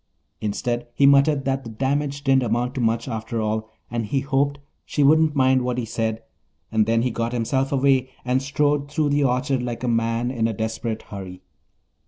Instead, he muttered that the damage didn't amount to much after all, and he hoped she wouldn't mind what he said, and then he got himself away and strode through the orchard like a man in a desperate hurry.